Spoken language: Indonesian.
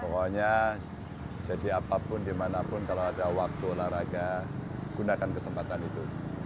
pokoknya jadi apapun dimanapun kalau ada waktu olahraga gunakan kesempatan itu